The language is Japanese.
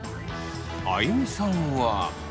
あゆみさんは。